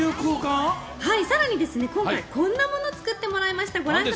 更にですね、今回、こんなものを作ってもらいました。